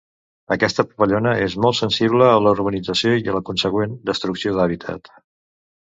Aquesta papallona és molt sensible a la urbanització i a la consegüent destrucció d'hàbitat.